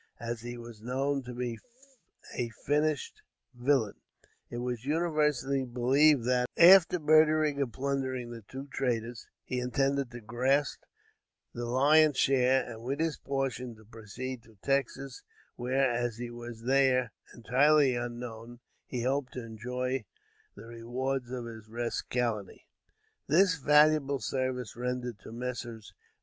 As he was known to be a finished villain, it was universally believed that, after murdering and plundering the two traders, he intended to grasp the "lion's share," and with his portion, to proceed to Texas, where, as he was there entirely unknown, he hoped to enjoy the rewards of his rascality. This valuable service rendered to Messrs.